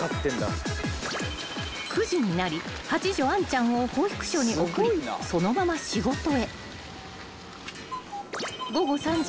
［９時になり八女羽恋ちゃんを保育所に送りそのまま仕事へ］